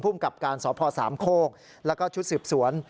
กับการสพสามโคกแล้วก็ชุดสืบสวน